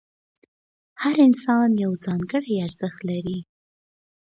هر انسان یو ځانګړی ارزښت لري.